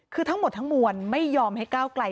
คือทั้งหมดทั้งมวลไม่ยอมให้ก้าวไกล